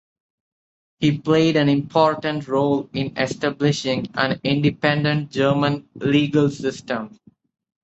He played an important role in establishing an independent German legal system.